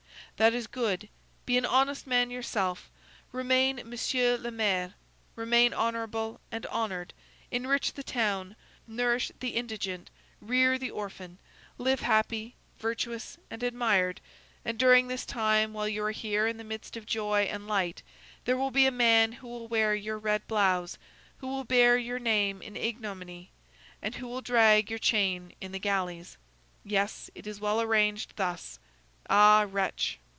That is good! Be an honest man yourself; remain Monsieur le Maire; remain honorable and honored; enrich the town; nourish the indigent; rear the orphan; live happy, virtuous, and admired; and, during this time, while you are here in the midst of joy and light, there will be a man who will wear your red blouse, who will bear your name in ignominy, and who will drag your chain in the galleys. Yes, it is well arranged thus. Ah, wretch!"